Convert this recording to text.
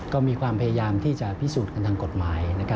ก็มีความพยายามที่จะพิสูจน์กันทางกฎหมาย